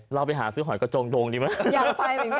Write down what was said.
เราไปหาซื้อหอยกระจงดงดีไหมอยากไปเหมือนกัน